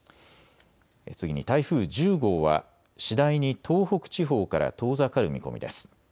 次に台風１０号は次第に東北地方から遠ざかる見込みです。